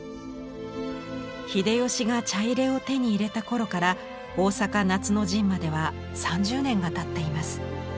秀吉が茶入を手に入れた頃から大坂夏の陣までは３０年がたっています。